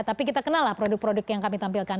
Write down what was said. tapi kita kenal lah produk produk yang kami tampilkan